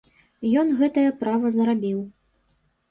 Ён гэтае права зарабіў.